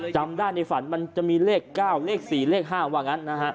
จำได้ในฝันมันจะมีเลข๙เลข๔เลข๕ว่างั้นนะฮะ